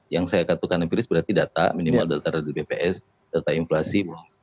yang saya katakan empiris berarti data minimal delta rada bps delta inflasi